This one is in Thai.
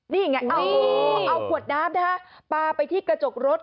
นี่ไงเอาขวดน้ำปาร์ไปที่กระจกรถ